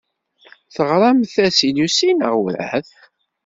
Teɣramt-as i Lucy neɣ werɛad?